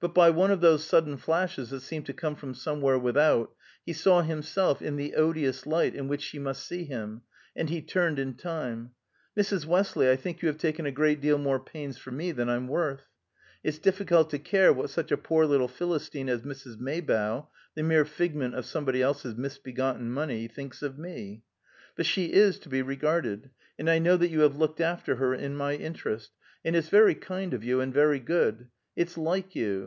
But by one of those sudden flashes that seem to come from somewhere without, he saw himself in the odious light in which she must see him, and he turned in time. "Mrs. Westley, I think you have taken a great deal more pains for me than I'm worth. It's difficult to care what such a poor little Philistine as Mrs. Maybough the mere figment of somebody else's misgotten money thinks of me. But she is to be regarded, and I know that you have looked after her in my interest; and it's very kind of you, and very good it's like you.